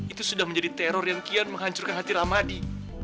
itu sudah menjadi teror yang kian menghancurkan hati rahmadi